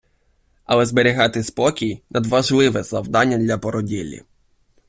Але зберігати спокій – надважливе завдання для породіллі.